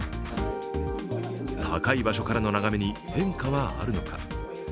高い場所からの眺めに変化はあるのか。